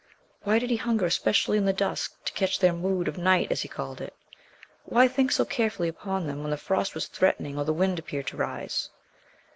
Why did he hunger especially in the dusk to catch their "mood of night" as he called it? Why think so carefully upon them when the frost was threatening or the wind appeared to rise?